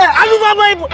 eh aduh mamae